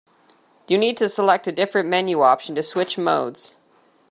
You need to select a different menu option to switch modes.